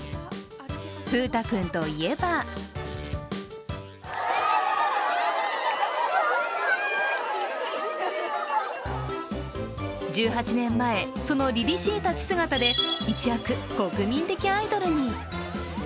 風太君といえば１８年前、そのりりしい立ち姿で一躍国民的アイドルに。